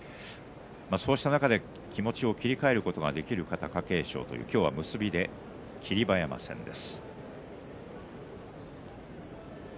そうした中で気持ちを切り替えることができるか貴景勝という結びで霧馬山戦です。